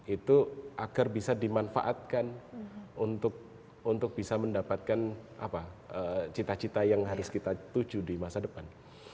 itu agar bisa dimanfaatkan untuk bisa mendapatkan cita cita yang harus kita tuju di masa depan